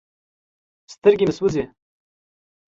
سترګې مې سوزي ـ